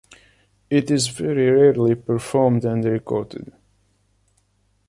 It is very rarely performed and recorded.